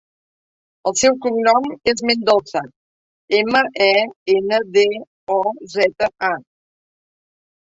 El seu cognom és Mendoza: ema, e, ena, de, o, zeta, a.